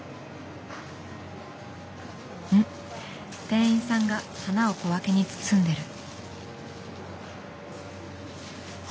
店員さんが花を小分けに包んでる。